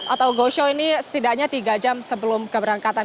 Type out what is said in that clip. atau go show ini setidaknya tiga jam sebelum keberangkatan